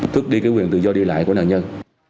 thức đi cái quyền tự do đi lại của nạn nhân